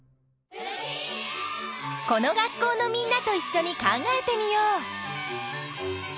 この学校のみんなといっしょに考えてみよう！